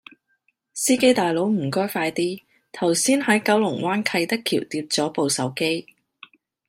司機大佬唔該快啲，頭先喺九龍灣啟德橋跌左部手機